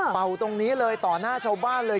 ตรงนี้เลยต่อหน้าชาวบ้านเลย